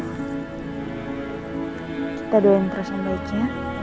kita doain terus yang baiknya